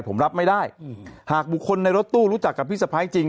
ผมรับไม่ได้หากบุคคลในรถตู้รู้จักกับพี่สะพ้ายจริง